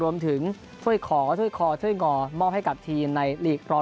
รวมถึงถ้วยขอถ้วยจงอมอบให้กับทีมในลีกรอลงมา